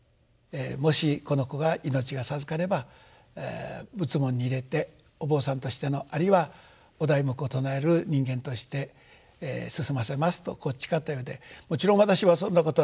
もしこの子が命が授かれば仏門に入れてお坊さんとしてのあるいはお題目を唱える人間として進ませますと誓ったようでもちろん私はそんなことは知りません。